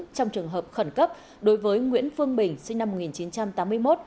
trong trường hợp khẩn cấp đối với nguyễn phương bình sinh năm một nghìn chín trăm tám mươi một